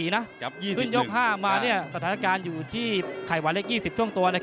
ยก๔นี่สรรคารอยู่ที่ไข่วอันเล็ก๒๐ต้น